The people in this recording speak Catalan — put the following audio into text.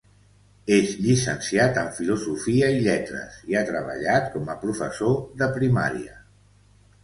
És llicenciat en Filosofia i Lletres i ha treballat com a professor de primària.